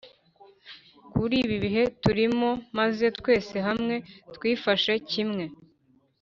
kuri ibi bihe turimo, maze twese hamwe twifashe kimwe